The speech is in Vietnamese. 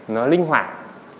nó linh hoạt